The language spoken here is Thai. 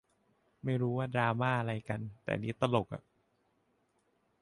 ไม่รู้ว่าดราม่าอะไรกัน แต่อันนี้ตลกอะ